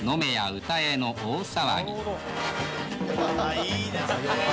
あっいいですね。